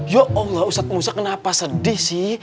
ya allah ustadz musa kenapa sedih sih